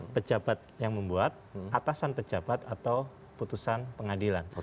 pejabat yang membuat atasan pejabat atau putusan pengadilan